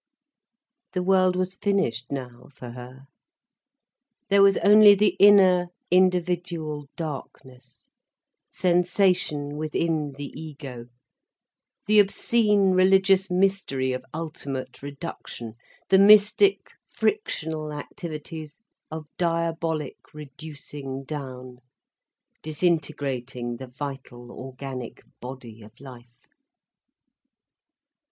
The world was finished now, for her. There was only the inner, individual darkness, sensation within the ego, the obscene religious mystery of ultimate reduction, the mystic frictional activities of diabolic reducing down, disintegrating the vital organic body of life.